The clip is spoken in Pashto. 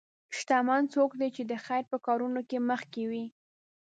شتمن څوک دی چې د خیر په کارونو کې مخکې وي.